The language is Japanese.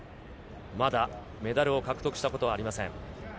まだメダルを獲得したことはありません。